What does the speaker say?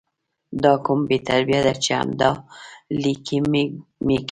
دا کوم بې تربیه ده چې همدا 💩 لیکي مه کوي